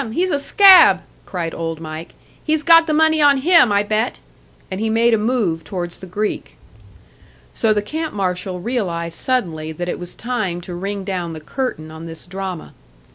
He's a scab!" cried Old Mike. "He's got the money on him, I bet!" And he made a move towards the Greek. So the camp marshal realised suddenly that it was time to ring down the curtain on this drama.